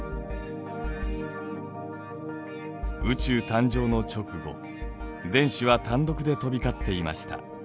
宇宙誕生の直後電子は単独で飛び交っていました。